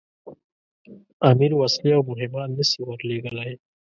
امیر وسلې او مهمات نه سي ورلېږلای.